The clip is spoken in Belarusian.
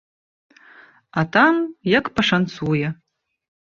А там як пашанцуе.